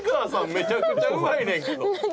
めちゃくちゃうまいねんけど。